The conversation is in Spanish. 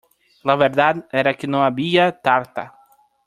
La verdad era que no había tarta.